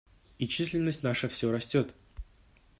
И численность наша все растет.